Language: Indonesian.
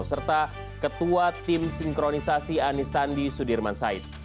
serta ketua tim sinkronisasi anies sandi sudirman said